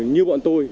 như bọn tôi